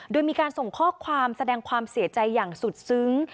โดยมีการส่งข้อความแสดงความเสียใจอย่างสุดซึ้ง